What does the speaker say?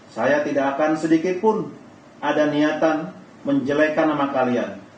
saya tidak akan sedikit pun ada niatan menjelekkan nama kalian